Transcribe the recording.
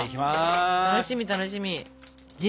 楽しみ楽しみ！